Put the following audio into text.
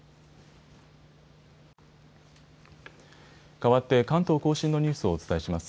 変わって関東甲信のニュースをお伝えします。